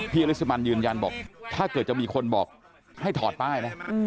ริสมันยืนยันบอกถ้าเกิดจะมีคนบอกให้ถอดป้ายนะ